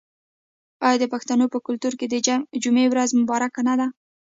آیا د پښتنو په کلتور کې د جمعې ورځ مبارکه نه ده؟